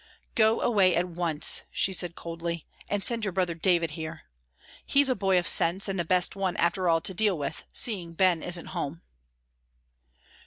"Go away at once," she said coldly, "and send your brother David here. He's a boy of sense, and the best one, after all, to deal with, seeing Ben isn't home."